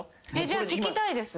じゃあ聞きたいです。